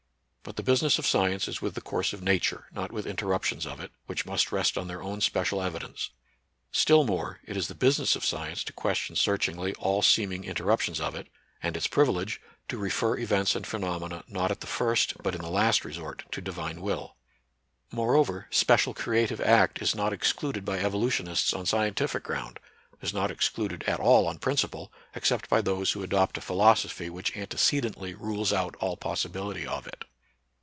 But, the business of science is with the course of Nature, not with interruptions of it, which must rest on their own special evidence. Still more, it is the business of science to ques tion searchingly all seeming interruptions of it, and its privilege, to refer events and phenomena not at the first but in the last resort to Divine will. 78 NATURAL SCIENCE AND RELIGION. Moreover, " special creative act " is not ex cluded by evolutionists on scientific ground, is not excluded at all on principle, except by those who adopt a philosophy which antecedently rules out all possibility of it.